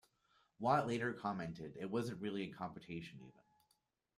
Watt later commented: It wasn't really a competition even.